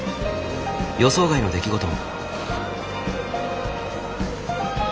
予想外の出来事も。